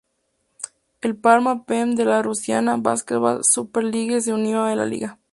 El Parma Perm de la Russian Basketball Super League se unió a la liga.